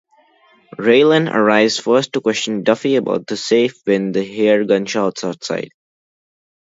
Raylan arrives first to question Duffy about the safe when they hear gunshots outside.